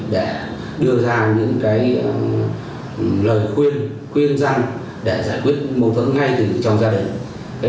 để đưa ra những lời khuyên khuyên răng để giải quyết mâu thuẫn ngay từ trong gia đình